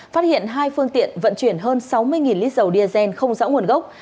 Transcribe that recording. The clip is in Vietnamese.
phát hiện hai phương tiện vận chuyển hơn sáu mươi lít dầu diazen không rõ nguồn gốc